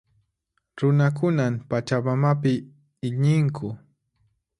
Runakunan Pachamamapi iñinku.